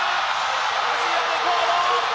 アジアレコード！